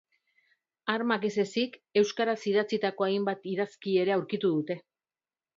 Armak ez ezik, euskaraz idatzitako hainbat idazki ere aurkitu dute.